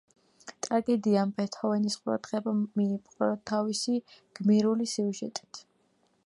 ტრაგედიამ ბეთჰოვენის ყურადღება მიიპყრო თავისი გმირული სიუჟეტით.